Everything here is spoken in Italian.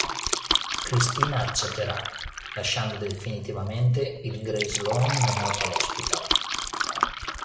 Cristina accetterà, lasciando definitivamente il Grey Sloan Memorial Hospital.